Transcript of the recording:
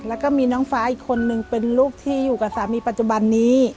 แล้วก็มีน้องฟ้าอีกคนนึงเป็นลูกที่อยู่กับสามีปัจจุบันนี้